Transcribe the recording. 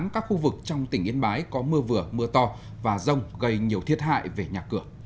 một mươi các khu vực trong tỉnh yên bái có mưa vừa mưa to và rông gây nhiều thiết hại về nhà cửa